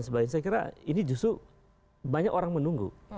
saya kira ini justru banyak orang menunggu